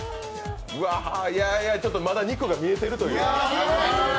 まだ肉が見えているという。